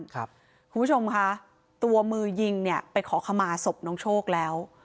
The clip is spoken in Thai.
คุณผู้ชมคะตัวมือยิงเนี่ยไปขอขมาศพน้องโชคแล้ว